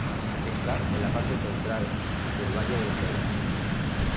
Está en la parte este central del Valle de Las Vegas.